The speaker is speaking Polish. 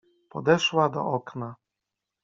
Podeszła do okna.